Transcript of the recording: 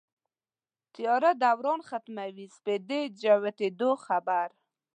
تیاره دوران ختمېدو سپېدې جوتېدو خبر